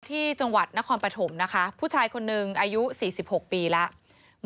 ที่จังหวัดนครปฐมนะคะผู้ชายคนหนึ่งอายุ๔๖ปีแล้ว